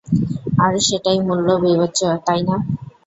আর, সেটাই মূল বিবেচ্য, তাই না?